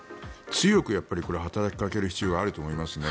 強くこれは働きかける必要があると思いますね。